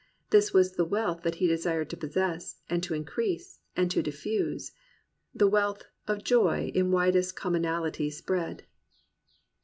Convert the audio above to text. This was the wealth that he desired to possess, and to increase, and to diffuse, — the wealth " Of joy in widest commonalty spread."